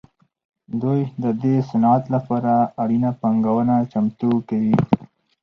دوی د دې صنعت لپاره اړینه پانګونه چمتو کوي